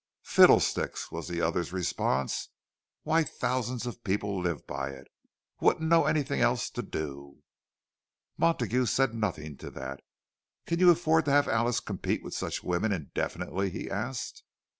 "Fiddlesticks!" was the other's response. "Why, thousands of people live by it—wouldn't know anything else to do." Montague said nothing to that. "Can you afford to have Alice compete with such women indefinitely?" he asked.